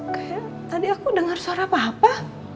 kayak tadi aku dengar suara papa